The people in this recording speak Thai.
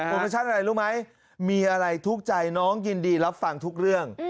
ชั่นอะไรรู้ไหมมีอะไรทุกข์ใจน้องยินดีรับฟังทุกเรื่อง